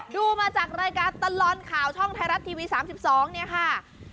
ดูมาจากรายการตลอดข่าวช่องไทยรัฐทีวี๓๒เนี่ยค่ะ